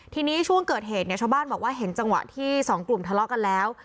ทีนี้ช่วงเกิดเหตุเนี่ยชาวบ้านบอกว่าเห็นจังหวะที่สองกลุ่มทะเลาะกันแล้ว